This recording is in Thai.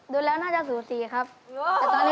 ถูกเขาทำร้ายเพราะใจเธอแบกรับมันเอง